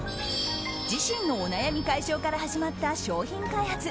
自身のお悩み解消から始まった商品開発。